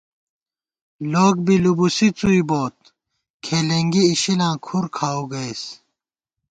لوگ بی لُوبُوسی څُوئی بوت ، کھېلېنگی اِشِلاں کھُر کھاوُو گَئیس